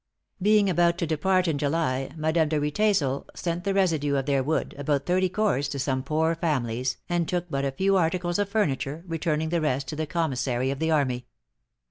Being about to depart in July, Madame de Riedesel sent the residue of their wood about thirty cords to some poor families, and took but a few articles of furniture, returning the rest to the commissary of the army.